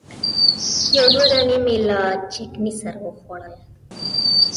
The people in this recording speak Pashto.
یو دوه دانې مې له چکني سره وخوړلې.